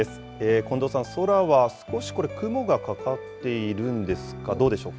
近藤さん、空は少しこれ、雲がかかっているんですか、どうでしょうか。